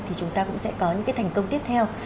thì chúng ta cũng sẽ có những cái thành công tiếp theo